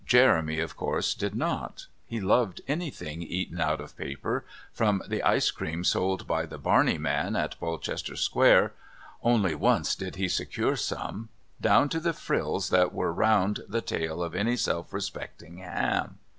Jeremy, of course, did not. He loved anything eaten out of paper, from the ice cream sold by the Barney man in Polchester Square (only once did he secure some) down to the frills that there are round the tail of any self respecting ham.